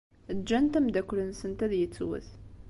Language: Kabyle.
Ǧǧant ameddakel-nsent ad yettwet.